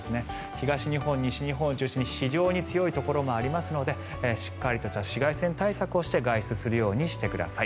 東日本、西日本を中心に非常に強いところもありますのでしっかりとした紫外線対策をして外出するようにしてください。